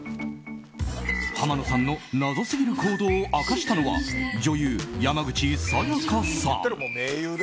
浜野さんの謎すぎる行動を明かしたのは女優・山口紗弥加さん。